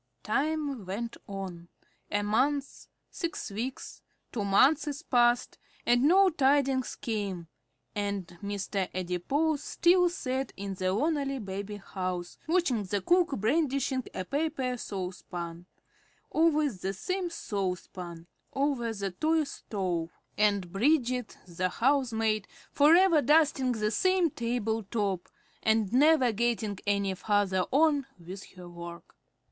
Time went on. A month, six weeks, two months passed, and no tidings came, and Mr. Adipose still sat in the lonely baby house, watching the cook brandishing a paper saucepan always the same saucepan over the toy stove, and Bridget, the "housemaid," forever dusting the same table top, and never getting any farther on with her work.